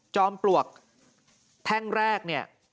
ปลวกแท่งแรกเนี่ย